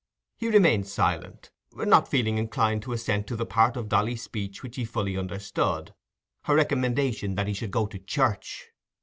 He remained silent, not feeling inclined to assent to the part of Dolly's speech which he fully understood—her recommendation that he should go to church.